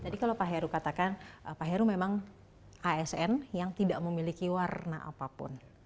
jadi kalau pak heru katakan pak heru memang asn yang tidak memiliki warna apapun